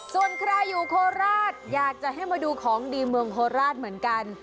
ส่วนใครอยู่โคราชอยากจะให้มาดูของดีเมืองโคราชเหมือนกัน